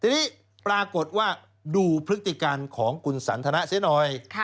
ทีนี้ปรากฏว่าดูพฤติการของคุณสันทนะเสียหน่อย